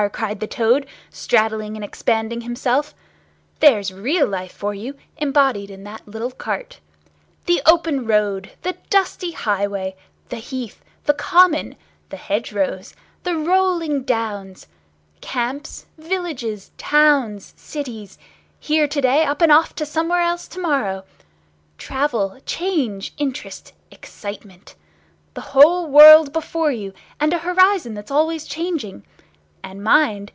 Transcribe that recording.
cried the Toad, straddling and expanding himself. "There's real life for you, embodied in that little cart. The open road, the dusty highway, the heath, the common, the hedgerows, the rolling downs! Camps, villages, towns, cities! Here to day, up and off to somewhere else to morrow! Travel, change, interest, excitement! The whole world before you, and a horizon that's always changing! And mind!